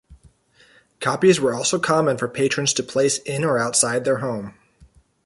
Copies were also common for patrons to place in or outside their home.